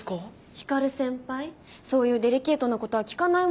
光先輩そういうデリケートな事は聞かないものですよ。